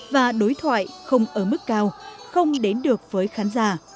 và đối thoại không ở mức cao không đến được với khán giả